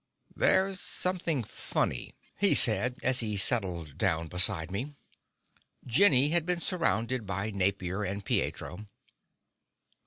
"There's something funny," he said as he settled down beside me. Jenny had been surrounded by Napier and Pietro.